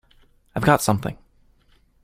I've got something!